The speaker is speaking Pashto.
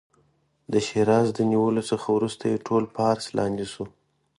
د شیراز د نیولو څخه وروسته یې ټول فارس لاندې شو.